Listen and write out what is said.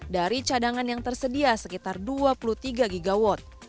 dari cadangan yang tersedia sekitar dua puluh tiga gigawatt